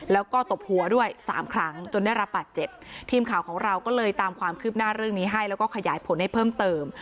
แล้วก็ตบหัวด้วยสามครั้งจนได้รับบาดเจ็บทีมข่าวของเราก็เลยตามความคืบหน้าเรื่องนี้ให้แล้วก็ขยายผลให้เพิ่มเติม